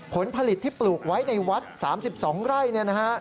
ผลผลิตที่ปลูกไว้ในวัด๓๒ไร่เนี่ยนะฮะ